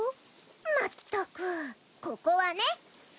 まったくここはね。